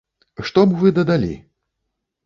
Што б вы дадалі?